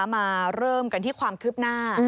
มาเริ่มกันที่ความคืบหน้า